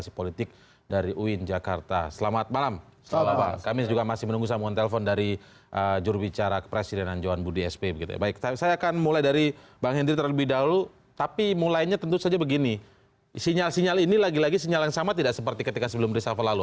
sinyal sinyal ini lagi lagi sinyal yang sama tidak seperti ketika sebelum reshuffle lalu